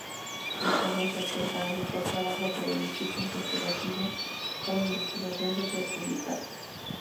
El Premio se otorga al mejor trabajo periodístico investigativo o investigación social publicada.